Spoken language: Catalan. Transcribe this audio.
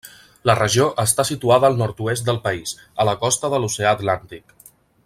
La regió està situada al nord-oest del país, a la costa de l'oceà Atlàntic.